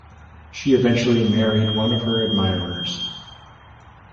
She eventually married one of her admirers.